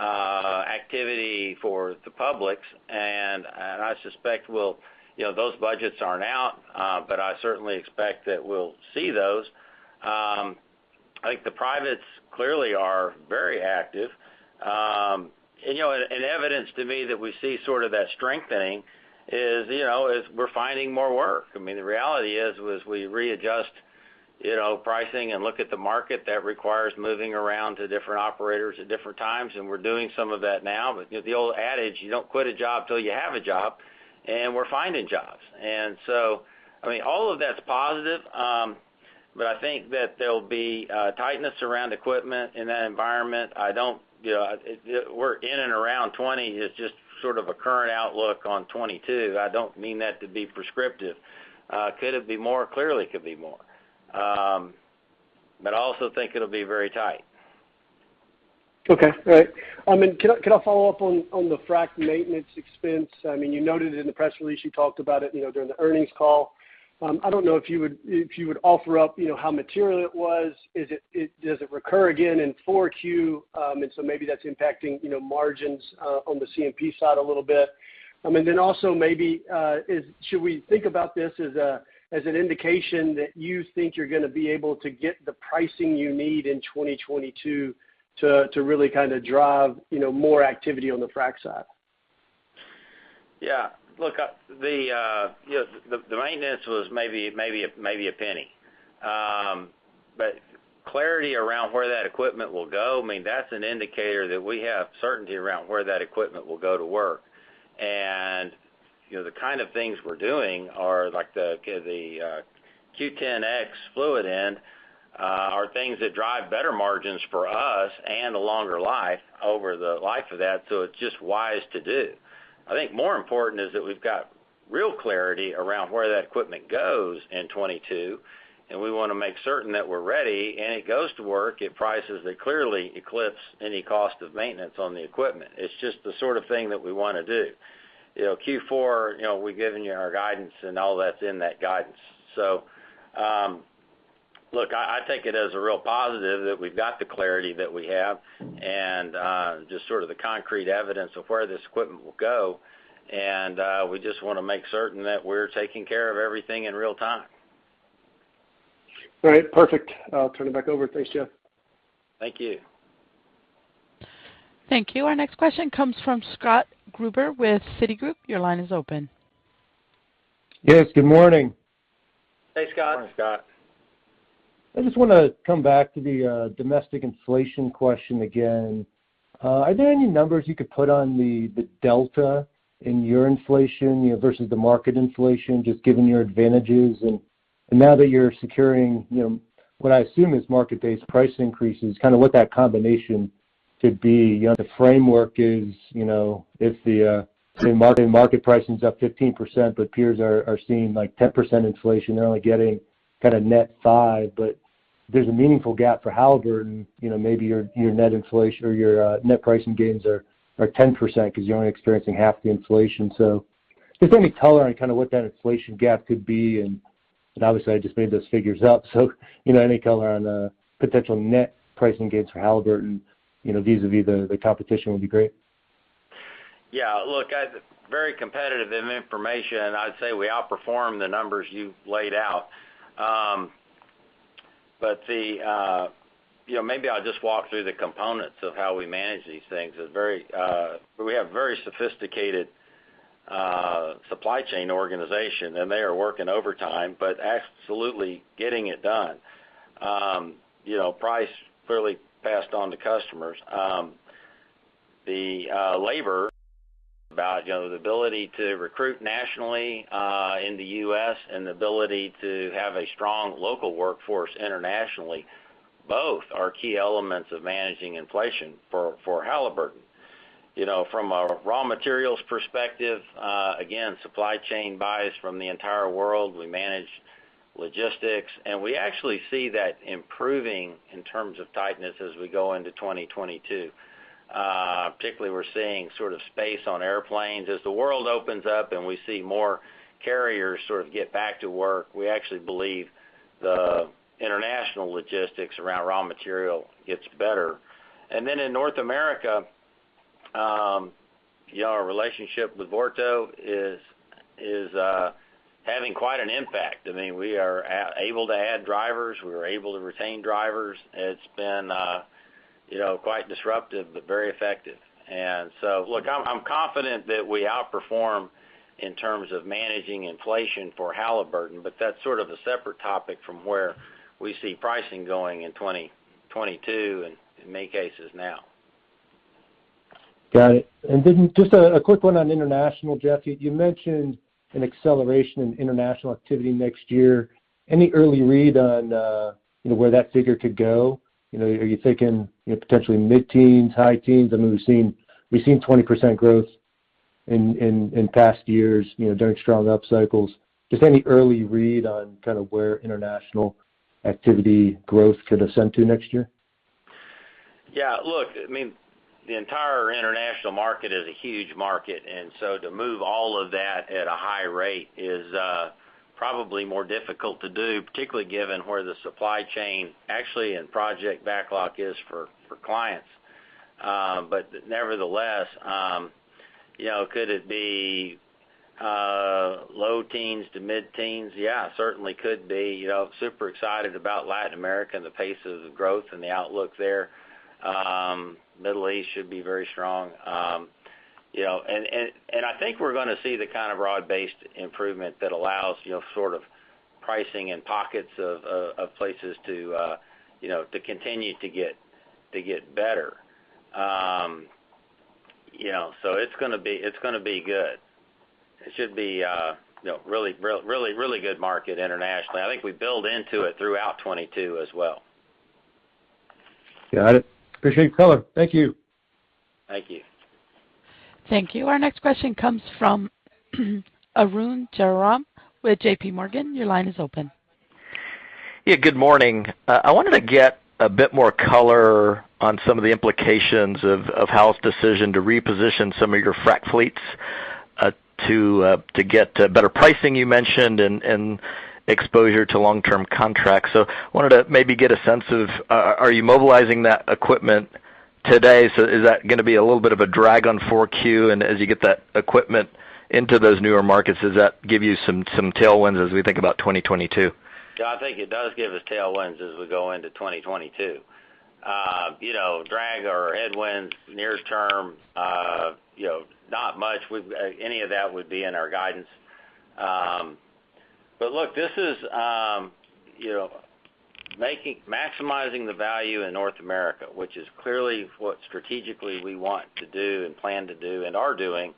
activity for the public. I suspect those budgets aren't out. I certainly expect that we'll see those. I think the privates clearly are very active. Evidence to me that we see sort of that strengthening is we're finding more work. The reality is we readjust pricing and look at the market. That requires moving around to different operators at different times, and we're doing some of that now. The old adage, you don't quit a job till you have a job," and we're finding jobs. All of that's positive. I think that there'll be a tightness around equipment in that environment. We're in, and around 20 is just sort of a current outlook on 2022. I don't mean that to be prescriptive. Could it be more? Clearly, there could be more. I also think it'll be very tight. Okay. All right. Can I follow up on the frac maintenance expense? You noted it in the press release, you talked about it during the earnings call. I don't know if you would offer up how material it was. Does it recur again in Q4, and so maybe that's impacting margins on the C&P side a little bit? Also, maybe, should we think about this as an indication that you think you're going to be able to get the pricing you need in 2022 to really drive more activity on the frac side? Yeah. Look, the maintenance was maybe a penny. Clarity around where that equipment will go—that's an indicator that we have certainty around where that equipment will go to work. The kind of things we're doing, like the Q10X fluid end, are things that drive better margins for us and a longer life over the life of that, so it's just wise to do. I think more important is that we've got real clarity around where that equipment goes in 2022, and we want to make certain that we're ready, and it goes to work at prices that clearly eclipse any cost of maintenance on the equipment. It's just the sort of thing that we want to do. Q4, we've given you our guidance, and all that's in that guidance. Look, I take it as a real positive that we've got the clarity that we have and just sort of the concrete evidence of where this equipment will go, and we just want to make certain that we're taking care of everything in real-time. Great. Perfect. I'll turn it back over. Thanks, Jeff. Thank you. Thank you. Our next question comes from Scott Gruber with Citigroup. Your line is open. Yes, good morning. Hey, Scott. Morning, Scott. I just want to come back to the domestic inflation question again. Are there any numbers you could put on the delta in your inflation versus the market inflation, just given your advantages? Now that you're securing what I assume are market-based price increases, do you have any idea what that combination could be? The framework is if the market pricing is up 15%, but peers are seeing 10% inflation, they're only getting a net 5%, but there's a meaningful gap for Halliburton. Maybe your net inflation or your net pricing gains are 10% because you're only experiencing half the inflation. Just want me to color in kind of what that inflation gap could be, and obviously I just made those figures up, so any color on potential net pricing gains for Halliburton, vis-à-vis the competition, would be great. Yeah. Look, very competitive information. I'd say we outperform the numbers you've laid out. Maybe I'll just walk through the components of how we manage these things. We have a very sophisticated supply chain organization, and they are working overtime, but absolutely getting it done. Price was clearly passed on to customers. The labor, about the ability to recruit nationally in the U.S. and the ability to have a strong local workforce internationally, are both key elements of managing inflation for Halliburton. From a raw materials perspective, again, supply chain buys from the entire world. We manage logistics, and we actually see that improving in terms of tightness as we go into 2022. Particularly, we're seeing space on airplanes. As the world opens up and we see more carriers sort of get back to work, we actually believe the international logistics around raw material get better. In North America, our relationship with Vorto is having quite an impact. We are able to add drivers. We are able to retain drivers. It's been quite disruptive, but very effective. Look, I'm confident that we outperform in terms of managing inflation for Halliburton, but that's sort of a separate topic from where we see pricing going in 2022, and in many cases, now. Got it. Just a quick one on international, Jeff. You mentioned an acceleration in international activity next year. Any early read on where that figure could go? Are you thinking potentially mid-teens, high teens? I mean, we've seen 20% growth in past years during strong up cycles. Just any early read on kind of where international activity growth could ascend to next year? Yeah. Look, the entire international market is a huge market, and so to move all of that at a high rate is probably more difficult to do, particularly given where the supply chain actually is and the project backlog is for clients. Nevertheless, could it be low teens to mid-teens? Yeah, certainly could be. Super excited about Latin America and the pace of growth and the outlook there. The Middle East should be very strong. I think we're going to see the kind of broad-based improvement that allows pricing in pockets of places to continue to get better. It's going to be good. It should be a really, really good market internationally. I think we built into it throughout 2022 as well. Got it. Appreciate the color. Thank you. Thank you. Thank you. Our next question comes from Arun Jayaram with JPMorgan. Your line is open. Yeah. Good morning. I wanted to get a bit more color on some of the implications of Halliburton's decision to reposition some of your frac fleets to get better pricing, as you mentioned, and exposure to long-term contracts. I wanted to maybe get a sense of, are you mobilizing that equipment today? Is that going to be a little bit of a drag on Q4? As you get that equipment into those newer markets, does that give you some tailwinds as we think about 2022? Yeah, I think it does give us tailwinds as we go into 2022. Drag or headwinds in the near term, not much. Any of that would be in our guidance. Look, this is maximizing the value in North America, which is clearly what, strategically, we want to do and plan to do and are doing,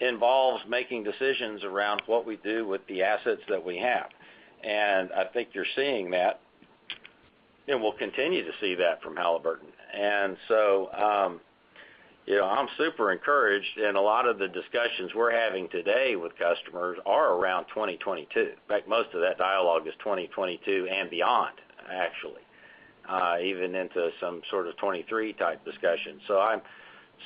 and it involves making decisions around what we do with the assets that we have. I think you're seeing that and will continue to see that from Halliburton. I'm super encouraged, and a lot of the discussions we're having today with customers are around 2022. In fact, most of that dialogue is 2022 and beyond, actually, even into some sort of 2023 type discussion. I'm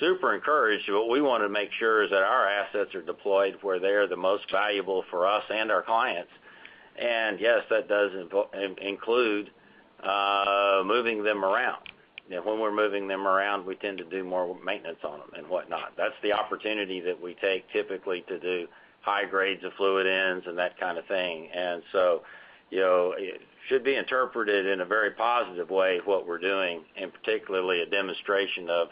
super encouraged. What we want to make sure is that our assets are deployed where they are the most valuable for us and our clients. Yes, that does include moving them around. When we're moving them around, we tend to do more maintenance on them and whatnot. That's the opportunity that we take typically to do high grades of fluid ends and that kind of thing. It should be interpreted in a very positive way, what we're doing, particularly a demonstration of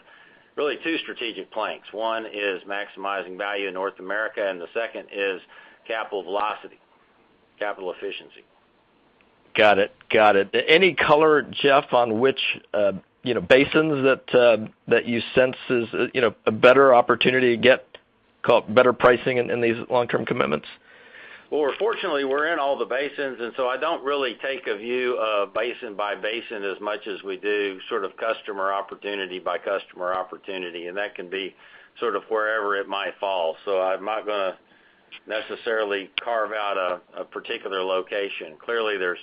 really two strategic planks. One is maximizing value in North America, and the second is capital velocity and capital efficiency. Got it. Any color, Jeff, on which basins you sense are a better opportunity to get better pricing in these long-term commitments? Well, fortunately, we're in all the basins. I don't really take a view of basin by basin as much as we do sort of customer opportunity by customer opportunity, that can be sort of wherever it might fall. I'm not going to necessarily carve out a particular location. Clearly, there's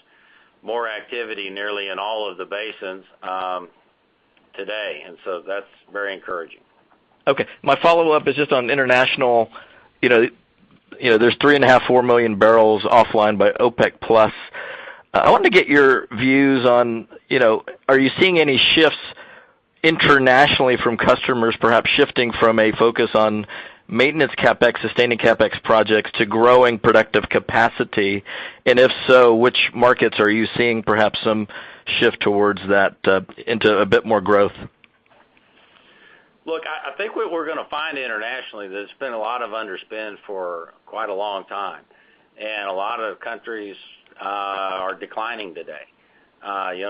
more activity nearly in all of the basins today, that's very encouraging. Okay. My follow-up is just on international. There's 3.5, 4 million barrels offline by OPEC+. I wanted to get your views on are you seeing any shifts internationally from customers, perhaps shifting from a focus on maintenance CapEx, sustaining CapEx projects to growing productive capacity? If so, which markets are you seeing, perhaps some shift towards that into a bit more growth? I think what we're going to find internationally, there's been a lot of underspending for quite a long time, and a lot of countries are declining today.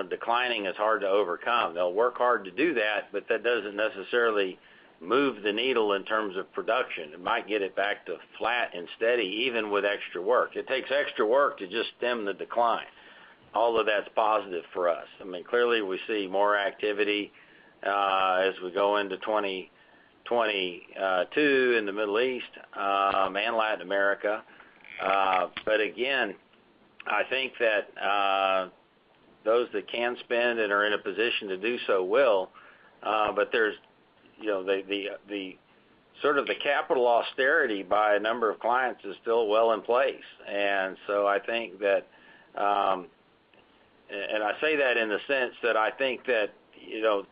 Declining is hard to overcome. They'll work hard to do that, but that doesn't necessarily move the needle in terms of production. It might get it back to flat and steady, even with extra work. It takes extra work to just stem the decline, although that's positive for us. Clearly, we see more activity as we go into 2022 in the Middle East and Latin America. Again, I think that those that can spend and are in a position to do so will, but the capital austerity by a number of clients is still well in place. I say that in the sense that I think that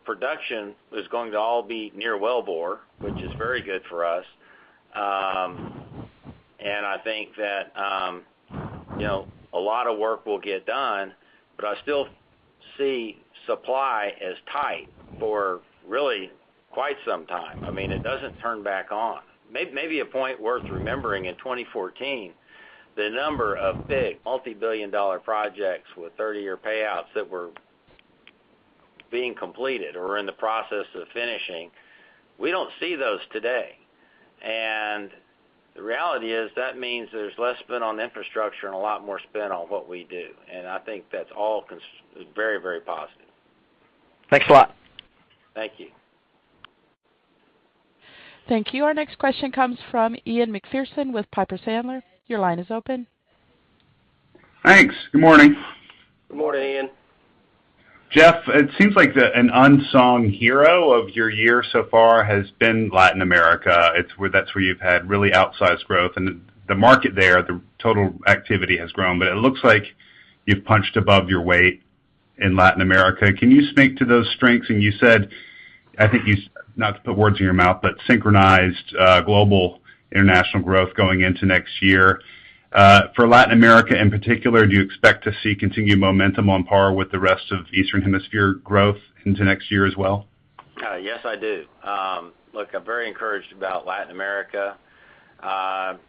production is going to all be near wellbore, which is very good for us. I think that a lot of work will get done, but I still see supply as tight for really quite some time. It doesn't turn back on. Maybe a point worth remembering: in 2014, the number of big multibillion-dollar projects with 30-year payouts that were being completed or were in the process of finishing—we don't see those today. The reality is that means there's less spent on infrastructure and a lot more spent on what we do, and I think that's all very positive. Thanks a lot. Thank you. Thank you. Our next question comes from Ian Macpherson with Piper Sandler. Your line is open. Thanks. Good morning. Good morning, Ian. Jeff, it seems like an unsung hero of your year so far has been Latin America. That's where you've had really outsized growth, and the market there, the total activity, has grown, but it looks like you've punched above your weight in Latin America. Can you speak to those strengths? And you said, not to put words in your mouth, synchronized global international growth going into next year. For Latin America in particular, do you expect to see continued momentum on par with the rest of Eastern Hemisphere growth into next year as well? Yes, I do. Look, I'm very encouraged about Latin America. That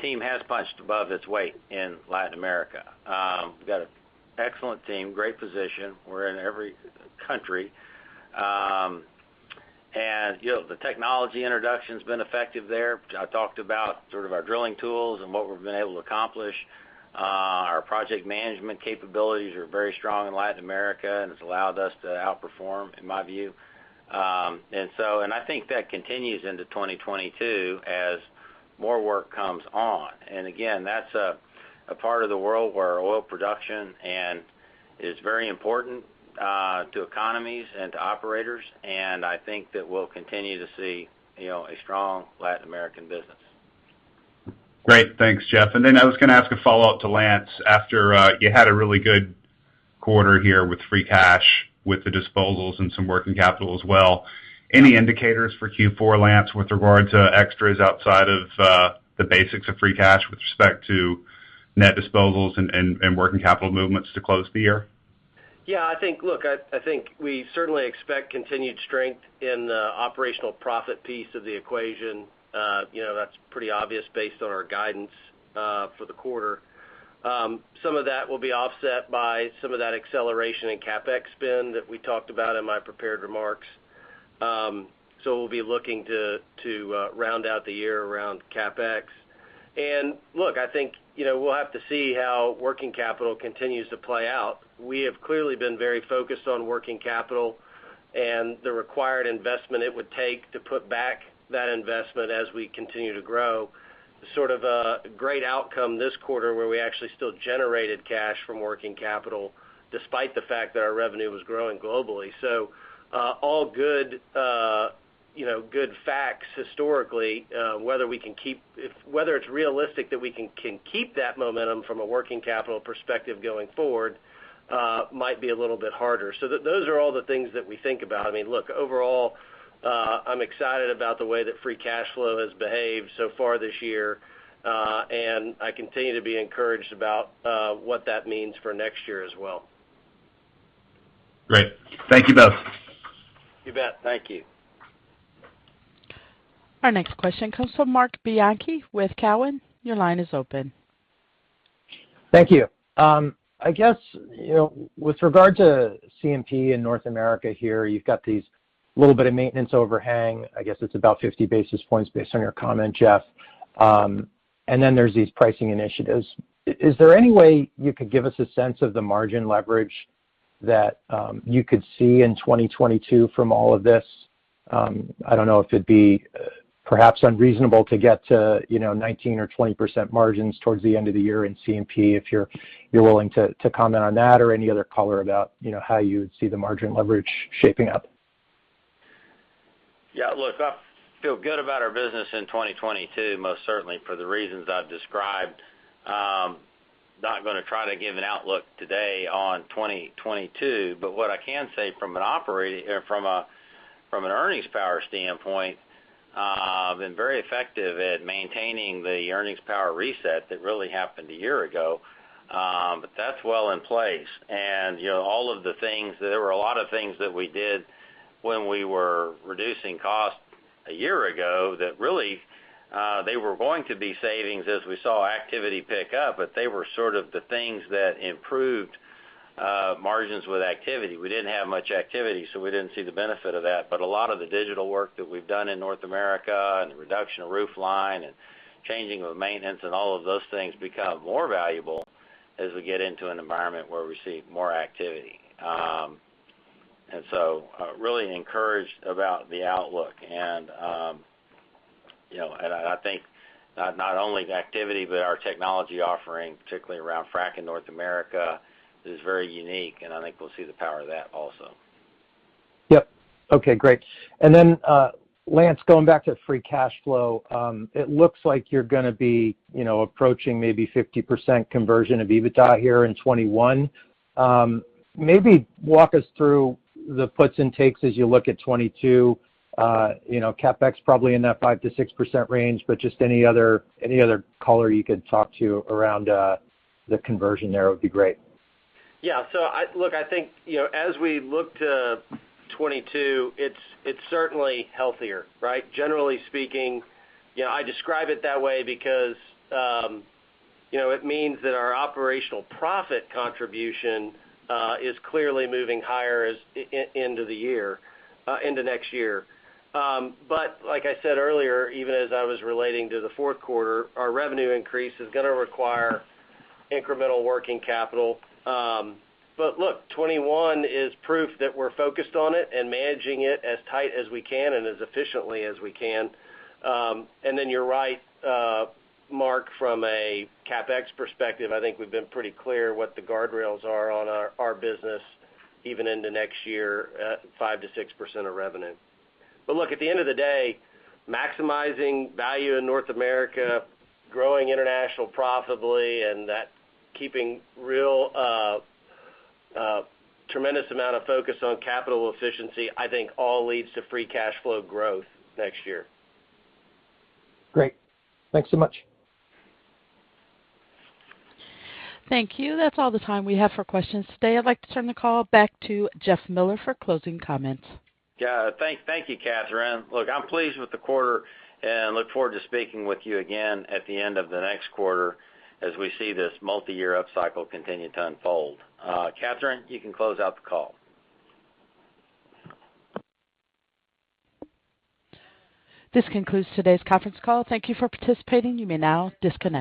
team has punched above its weight in Latin America. We've got an excellent team and a great position. We're in every country. The technology introduction's been effective there. I talked about sort of our drilling tools and what we've been able to accomplish. Our project management capabilities are very strong in Latin America, and it's allowed us to outperform, in my view. I think that continues into 2022 as more work comes on. Again, that's a part of the world where oil production is very important to economies and to operators, and I think that we'll continue to see a strong Latin American business. Great. Thanks, Jeff. I was going to ask a follow-up to Lance. After you had a really good quarter here with free cash, with the disposals and some working capital as well, any indicators for Q4, Lance, with regard to extras outside of the basics of free cash with respect to net disposals and working capital movements to close the year? Yeah, look, I think we certainly expect continued strength in the operational profit piece of the equation. That's pretty obvious based on our guidance for the quarter. Some of that will be offset by some of that acceleration in CapEx spend that we talked about in my prepared remarks. We'll be looking to round out the year around CapEx. Look, I think we'll have to see how working capital continues to play out. We have clearly been very focused on working capital and the required investment it would take to put back that investment as we continue to grow. Sort of a great outcome this quarter, where we actually still generated cash from working capital, despite the fact that our revenue was growing globally. All good facts historically, but whether it's realistic that we can keep that momentum from a working capital perspective going forward might be a little bit harder. Those are all the things that we think about. I mean, look, overall, I'm excited about the way that free cash flow has behaved so far this year. I continue to be encouraged about what that means for next year as well. Great. Thank you both. You bet. Thank you. Our next question comes from Marc Bianchi with Cowen. Your line is open. Thank you. I guess, with regard to C&P in North America here, you've got this little bit of maintenance overhang, I guess it's about 50 basis points based on your comment, Jeff. Then there's these pricing initiatives. Is there any way you could give us a sense of the margin leverage that you could see in 2022 from all of this? I don't know if it'd be perhaps unreasonable to get to 19% or 20% margins towards the end of the year in C&P. If you're willing to comment on that or any other color about how you would see the margin leverage shaping up. Yeah, look, I feel good about our business in 2022, most certainly for the reasons I've described. Not going to try to give an outlook today on 2022, but what I can say from an earnings power standpoint is that we've been very effective at maintaining the earnings power reset that really happened a year ago. That's well in place. There were a lot of things that we did when we were reducing costs a year ago that really, they were going to be savings as we saw activity pick up, but they were sort of the things that improved margins with activity. We didn't have much activity, so we didn't see the benefit of that. A lot of the digital work that we've done in North America and the reduction of the roofline and changing of maintenance and all of those things become more valuable as we get into an environment where we see more activity. Really encouraged about the outlook. I think not only the activity but also our technology offering, particularly around fracking in North America, is very unique, and I think we'll see the power of that also. Yep. Okay, great. Lance, going back to free cash flow. It looks like you're going to be approaching maybe 50% conversion of EBITDA here in 2021. Maybe walk us through the puts and takes as you look at 2022. CapEx is probably in that 5%-6% range, just any other color you could talk to around the conversion there would be great. I think as we look to 2022, it's certainly healthier. Generally speaking, I describe it that way because it means that our operational profit contribution is clearly moving higher into next year. Like I said earlier, even as I was relating to the fourth quarter, our revenue increase is going to require incremental working capital. 2021 is proof that we're focused on it and managing it as tight as we can and as efficiently as we can. You're right, Marc, from a CapEx perspective, I think we've been pretty clear about what the guardrails are on our business, even into next year, at 5%-6% of revenue. Look, at the end of the day, maximizing value in North America, growing internationally, and keeping a real tremendous amount of focus on capital efficiency, I think all lead to free cash flow growth next year. Great. Thanks so much. Thank you. That's all the time we have for questions today. I'd like to turn the call back to Jeff Miller for closing comments. Yeah. Thank you, Katherine. Look, I'm pleased with the quarter and look forward to speaking with you again at the end of the next quarter as we see this multi-year upcycle continue to unfold. Katherine, you can close out the call. This concludes today's conference call. Thank you for participating. You may now disconnect.